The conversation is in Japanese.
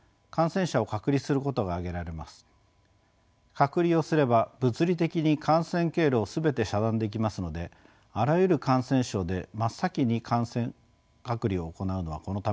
隔離をすれば物理的に感染経路を全て遮断できますのであらゆる感染症で真っ先に隔離を行うのはこのためです。